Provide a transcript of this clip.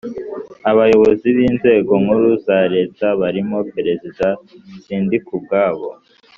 Abayobozi b inzego nkuru za Leta barimo Perezida Sindikubwabo